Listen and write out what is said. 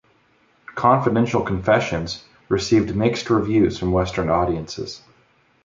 "Confidential Confessions" received mixed reviews from Western audiences.